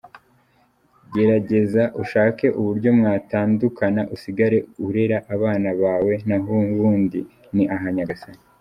Gerageza ushake uburyo mwatandukana usigare urera abana bawe naho ubundi ni aha Nyagasani.